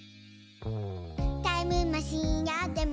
「タイムマシンあっても」